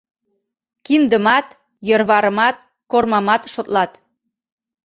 Киндымат, йӧрварымат, кормамат шотлат.